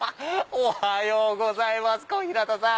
おはようございます小日向さん。